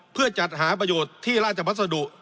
เพื่อจัดหาประโยชน์ที่ราชพัสดุ